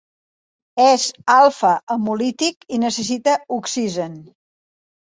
És alfa-hemolític i necessita oxigen.